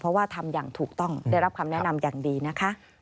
เพราะว่าทำอย่างถูกต้องได้รับคำแนะนำอย่างดีนะคะ